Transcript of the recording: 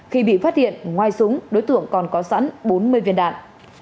khi bị phát hiện ngoài súng đối tượng còn có sẵn bốn mươi viên đạn